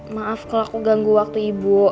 maaf kalau aku ganggu waktu ibu